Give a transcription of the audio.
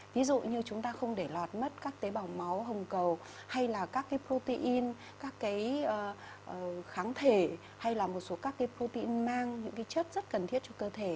ví dụ như chúng ta không để lọt mất các tế bào máu hồng cầu hay là các cái protein các cái kháng thể hay là một số các cái protein mang những cái chất rất cần thiết cho cơ thể